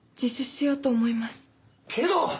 けど！